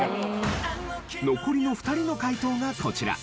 残りの２人の解答がこちら。